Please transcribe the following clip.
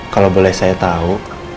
kalau boleh saya tau